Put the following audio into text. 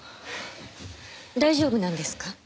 大丈夫なんですか？